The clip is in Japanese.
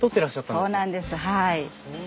そうなんですはい。